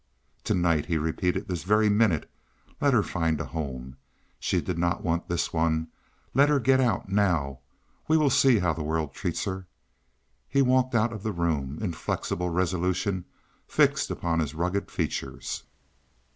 "To night!" he repeated. "This very minute! Let her find a home. She did not want this one. Let her get out now. We will see how the world treats her." He walked out of the room, inflexible resolution fixed upon his rugged features.